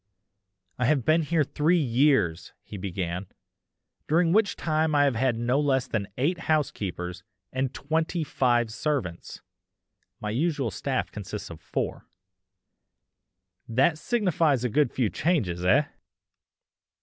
"I have been here three years!" he began, "during which time I have had no less than eight housekeepers and twenty five servants (my usual staff consists of four); that signifies a good few changes. Eh?"